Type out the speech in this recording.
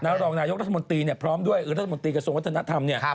นรนรรัฐบนตรีเนี่ยพร้อมด้วยอื่นรถบนตรีก็ส่งวัฒนธรรมเนี่ย